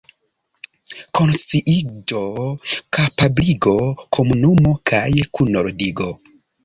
Konsciiĝo, kapabligo, komunumo kaj kunordigo.